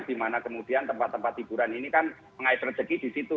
dimana kemudian tempat tempat hiburan ini kan mengait rezeki di situ